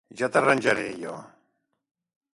Ja t'arranjaré, jo.